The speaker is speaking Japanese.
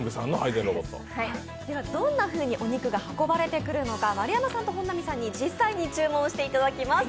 どんなふうにお肉が運ばれてくるのか、丸山さんと本並さんに実際に注文していただきます。